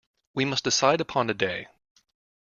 We must decide upon a day.